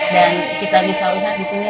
dan kita bisa lihat disini